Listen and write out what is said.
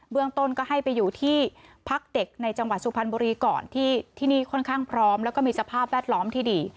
เรื่องต้นก็ให้ไปอยู่ที่พักเด็กในจังหวัดสุพรรณบุรีก่อนที่นี่ค่อนข้างพร้อมแล้วก็มีสภาพแวดล้อมที่ดี